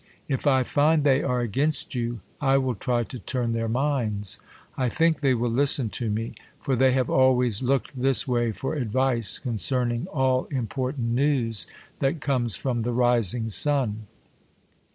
If I find they are against vou, I will try to turn their minds. I think they will listen to me , for they have always looked this way for advice, concerning all important news that comes from the rising sun.